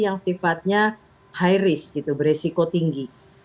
yang sifatnya high risk gitu beresiko tinggi